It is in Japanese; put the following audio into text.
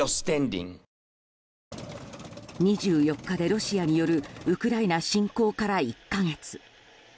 ２４日でロシアによるウクライナ侵攻から１か月。